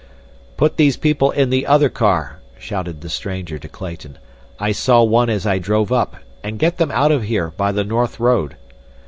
"Put these people in the other car," shouted the stranger to Clayton. "I saw one as I drove up—and get them out of here by the north road.